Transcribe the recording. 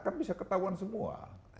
kan bisa ketahuan semua